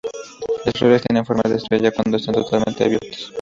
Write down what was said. Las flores tienen forma de estrella cuando están totalmente abiertas.